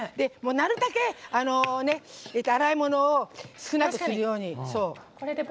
なるたけ洗い物を少なくするように。